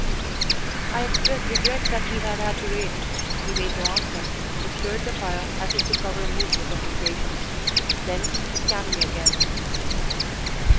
"I expressed regret that he had had to wait; he made no answer, but stirred the fire, as if to cover a movement of impatience; then he scanned me again.